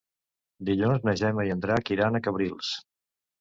Dilluns na Gemma i en Drac iran a Cabrils.